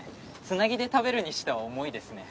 つなぎで食べるにしては重いですね。